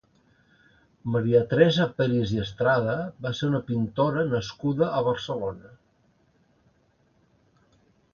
María Teresa Peris i Estrada va ser una pintora nascuda a Barcelona.